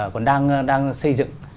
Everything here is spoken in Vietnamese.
còn đang xây dựng